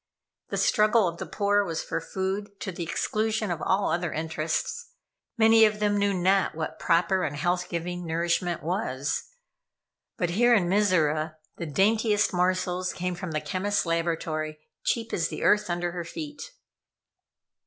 The struggle of the poor was for food, to the exclusion of all other interests. Many of them knew not what proper and health giving nourishment was. But here in Mizora, the daintiest morsels came from the chemists laboratory, cheap as the earth under her feet.